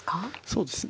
そうですね。